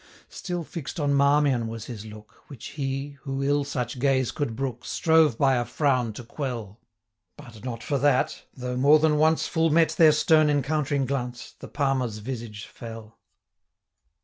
Still fix'd on Marmion was his look, Which he, who ill such gaze could brook, 85 Strove by a frown to quell; But not for that, though more than once Full met their stern encountering glance, The Palmer's visage fell.